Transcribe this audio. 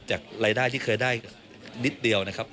จากรายได้ที่เคยได้นิดเดียวนะครับ